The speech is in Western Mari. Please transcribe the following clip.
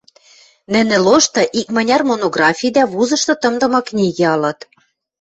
нӹнӹ лошты икманяр монографи дӓ вузышты тымдымы книгӓ ылыт.